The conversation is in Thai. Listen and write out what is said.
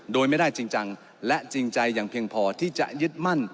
โดยไม่ได้จริงจังและจริงใจอย่างเพียงพอที่จะยึดมั่น